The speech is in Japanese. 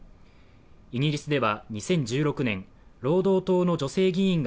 イギリスでは２０１６年、労働党の女性議員が